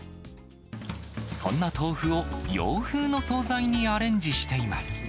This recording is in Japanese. そんな豆腐を洋風の総菜にアレンジしています。